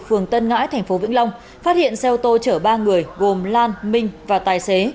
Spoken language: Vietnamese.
phường tân ngãi thành phố vĩnh long phát hiện xe ô tô chở ba người gồm lan minh và tài xế